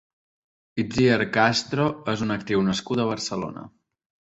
Itziar Castro és una actriu nascuda a Barcelona.